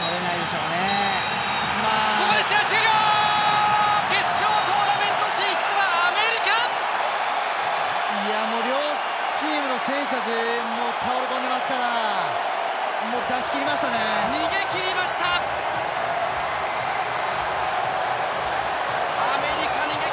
もう両チームの選手たち倒れ込んでますから出しきりましたね。